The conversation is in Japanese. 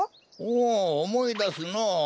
おおおもいだすのう。